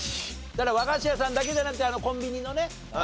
だから和菓子屋さんだけじゃなくてコンビニのね